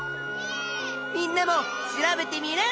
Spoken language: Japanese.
みんなも調べテミルン！